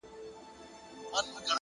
اخلاص د نیک عمل ښکلا بشپړوي،